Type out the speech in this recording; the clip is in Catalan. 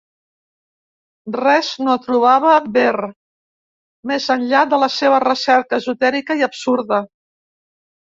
Res no trobava ver, més enllà de la seva recerca esotèrica i absurda.